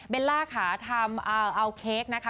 ล่าค่ะทำเอาเค้กนะคะ